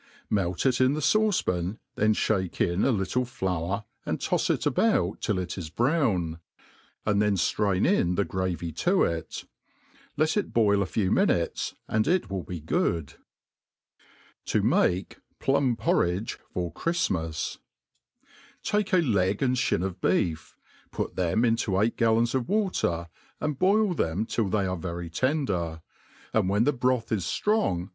Melt it in the fauce pan, then (hake in a little flour, and tofs it about till it is brown, and then ftrain in the gravy to it. Let it boil a few minutes, and it will be good. To make Plum Porridge for Chrtjlmas. TAKE a leg and (bin of beef, put them into eight gallons of water, and boil them till they are very tender, and when the broth is ftrong